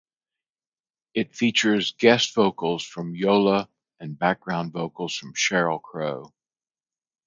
It features guest vocals from Yola and background vocals from Sheryl Crow.